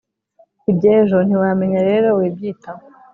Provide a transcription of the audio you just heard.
iby’ejo ntiwamenya rero wibyitaho